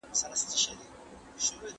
که په تعلیم کې اصلاح وي، نو فساد نه وي.